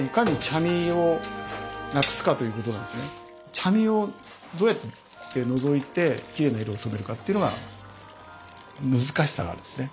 茶みをどうやって除いてきれいな色に染めるかっていうのが難しさがあるんですね。